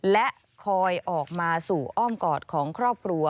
และคอยออกมาสู่อ้อมกอดของครอบครัว